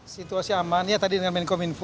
situasi aman ya tadi dengan menkom info